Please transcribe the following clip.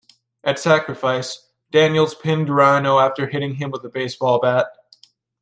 At Sacrifice, Daniels pinned Rhino after hitting him with a baseball bat.